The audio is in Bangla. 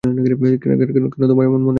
কেন তোমার এমন মনে হল বলো দেখি?